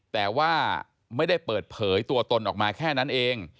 แต่ว่าไม่ได้เปิดเผยตัวตนออกมาแค่นั้นเอง